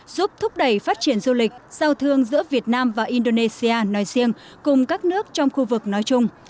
giúp thúc đẩy phát triển du lịch giao thương giữa việt nam và indonesia nói riêng cùng các nước trong khu vực nói chung